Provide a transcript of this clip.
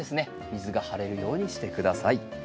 水が張れるようにして下さい。